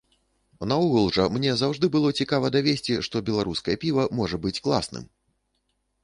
Наогул жа мне заўжды было цікава давесці, што беларускае піва можа быць класным!